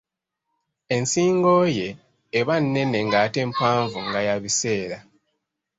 Ensingo ye eba nnene ng'ate mpanvu nga ya biseera.